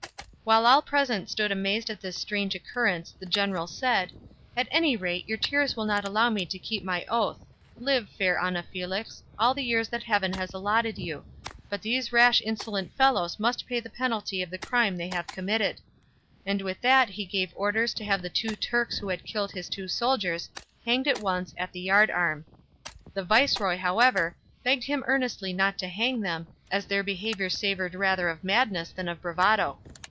While all present stood amazed at this strange occurrence the general said, "At any rate your tears will not allow me to keep my oath; live, fair Ana Felix, all the years that heaven has allotted you; but these rash insolent fellows must pay the penalty of the crime they have committed;" and with that he gave orders to have the two Turks who had killed his two soldiers hanged at once at the yard arm. The viceroy, however, begged him earnestly not to hang them, as their behaviour savoured rather of madness than of bravado.